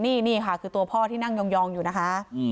นี่ค่ะคือตัวพ่อที่นั่งยองอยู่นะคะ